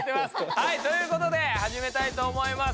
はいということではじめたいと思います。